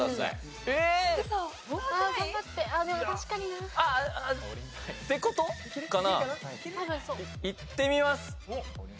いってみます。